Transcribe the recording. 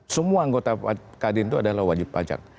semua anggota kadin itu adalah wajib pajak